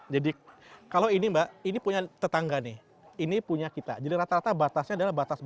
jadi kalau ini mbak ini punya tetangga nih ini punya kita jadi rata rata batasnya adalah batas batas alam